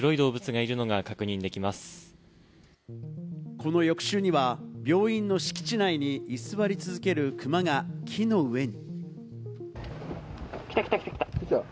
この翌週には病院の敷地内に居座り続けるクマが木の上に。